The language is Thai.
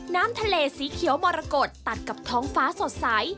น้ำทะเลสีเขียวมรกฏตัดกับท้องฟ้าสดใส